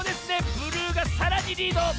ブルーがさらにリード。